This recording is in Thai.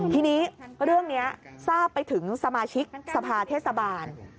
ทีนี้เรื่องนี้ทราบไปถึงสมาชิกสภาเทศบาล